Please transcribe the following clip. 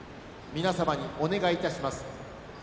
皆様にお願いいたします。